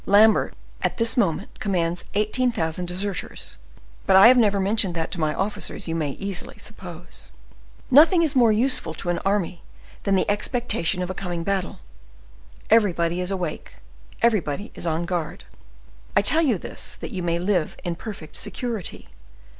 Lambert, at this moment, commands eighteen thousand deserters; but I have never mentioned that to my officers, you may easily suppose. Nothing is more useful to an army than the expectation of a coming battle; everybody is awake—everybody is on guard. I tell you this that you may live in perfect security.